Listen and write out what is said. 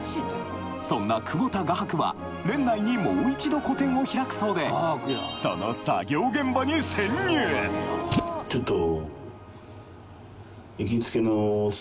そんな久保田画伯は年内にもう一度個展を開くそうでそのちょっと。